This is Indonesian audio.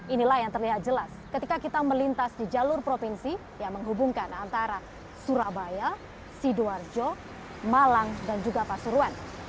inilah yang terlihat jelas ketika kita melintas di jalur provinsi yang menghubungkan antara surabaya sidoarjo malang dan juga pasuruan